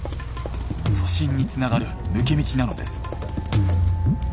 都心につながる抜け道なのです。